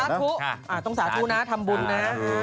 ต้องสาธุนะทำบุญนะ